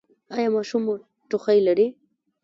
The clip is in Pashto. ایا ماشوم مو ټوخی لري؟